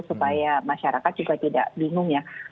supaya masyarakat juga tidak bingung ya